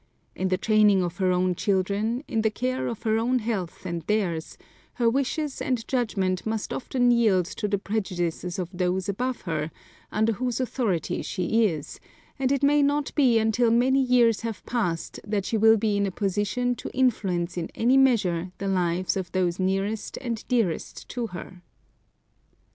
In the training of her own children, in the care of her own health and theirs, her wishes and judgment must often yield to the prejudices of those above her, under whose authority she is, and it may not be until many years have passed that she will be in a position to influence in any measure the lives of those nearest and dearest to her.